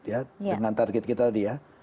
ya dengan target kita tadi ya